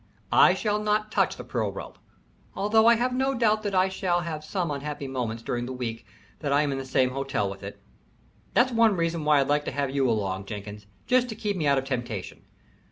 I shall not touch the pearl rope, although I have no doubt that I shall have some unhappy moments during the week that I am in the same hotel with it. That's one reason why I'd like to have you go along, Jenkins just to keep me out of temptation.